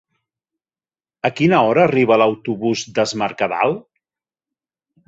A quina hora arriba l'autobús d'Es Mercadal?